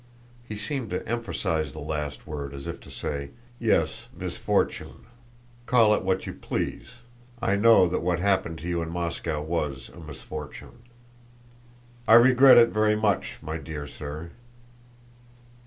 He seemed to emphasize the last word, as if to say—"Yes, misfortune! Call it what you please, I know that what happened to you in Moscow was a misfortune."—"I regret it very much, my dear sir."